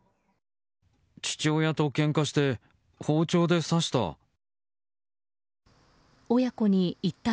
父親とけんかして包丁で刺した。